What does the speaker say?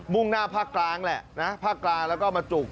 ่งหน้าภาคกลางแหละนะภาคกลางแล้วก็มาจุก